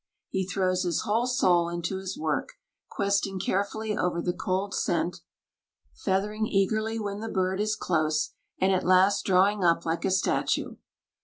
He throws his whole soul into his work, questing carefully over the cold scent, feathering eagerly when the bird is close, and at last drawing up like a statue.